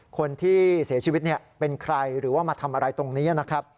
คนที่เสียชีวิตเป็นใครหรือว่ามาทำอะไรตรงนี้นะครับ